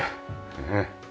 ねえ。